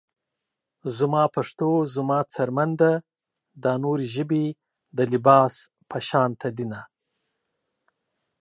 زما پښتو زما څرمن ده دا نورې ژبې د لباس پشانته دينه